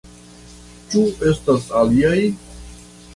Ĉu estas aliaj?